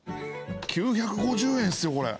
９５０円っすよこれ。